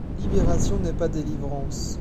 Libération n’est pas délivrance.